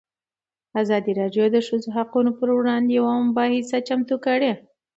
ازادي راډیو د د ښځو حقونه پر وړاندې یوه مباحثه چمتو کړې.